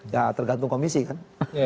ya tergantung komisi kan